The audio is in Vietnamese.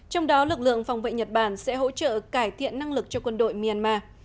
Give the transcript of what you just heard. trong đó lực lượng phòng vệ nhật bản sẽ hỗ trợ cải thiện năng lực cho quân đội myanmar